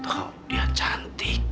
tuh dia cantik